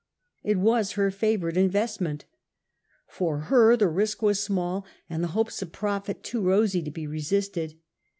It was her favourite investment. For her the risk was small and the hopes of profit too rosy to be resisted.